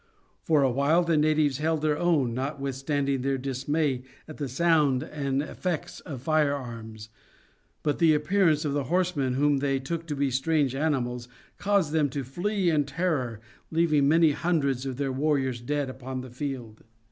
For a while the natives held their own notwithstanding their dismay at the sound and effects of fire arms; but the appearance of the horsemen, whom they took to be strange animals, caused them to flee in terror leaving many hundreds of their warriors dead upon the field.